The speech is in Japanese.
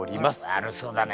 悪そうだね